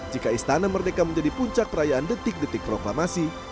jika istana merdeka menjadi puncak perayaan detik detik proklamasi